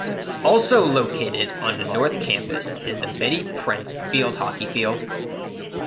Also located on the North Campus is the Betty Prince field hockey field.